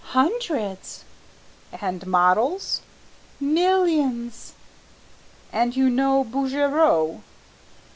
"Hundreds." "And models?" "Millions." "And you know Bouguereau?"